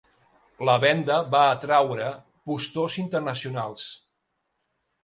La venda va atreure postors internacionals.